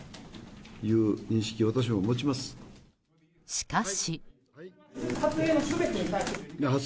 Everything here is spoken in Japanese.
しかし。